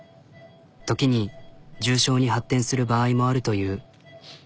時に重症に発展する場合もあるという。